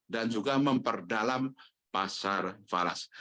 dan juga memperdalam pasar falas